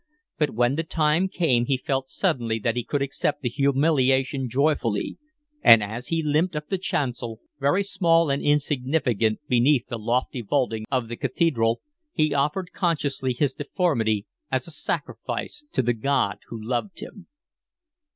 But when the time came he felt suddenly that he could accept the humiliation joyfully; and as he limped up the chancel, very small and insignificant beneath the lofty vaulting of the Cathedral, he offered consciously his deformity as a sacrifice to the God who loved him.